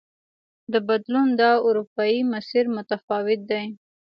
د بدلون دا اروپايي مسیر متفاوت دی.